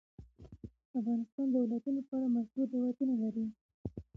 افغانستان د ولایتونو په اړه مشهور روایتونه لري.